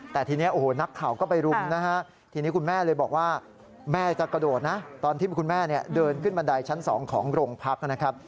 แต่ทีนี้โอ้โหนักข่าวก็ไปรุมนะฮะทีนี้คุณแม่เลยบอกว่าแม่จะกระโดดนะตอนที่คุณแม่เดินขึ้นบันไดชั้น๒ของโรงพักนะครับ